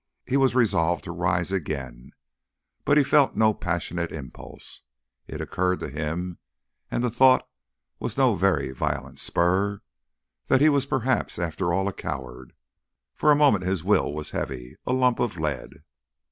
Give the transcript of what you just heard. He was resolved to rise again, but he felt no passionate impulse. It occurred to him and the thought was no very violent spur that he was perhaps after all a coward. For a moment his will was heavy, a lump of lead.